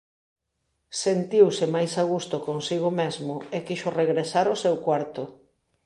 Sentiuse máis a gusto consigo mesmo e quixo regresar ao seu cuarto.